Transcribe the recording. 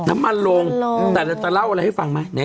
น้ำมันลงแต่เราจะเล่าอะไรให้ฟังไหม